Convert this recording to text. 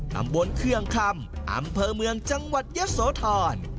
ตำบลเครื่องคำอำเภอเมืองจังหวัดยะโสธร